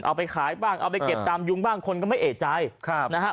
เอาไปขายบ้างเอาไปเก็บตามยุงบ้างคนก็ไม่เอกใจครับนะฮะ